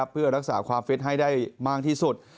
เพื่อรักษาความฟิตให้ได้มากที่สุด